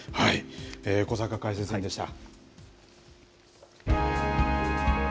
小坂解説委員でした。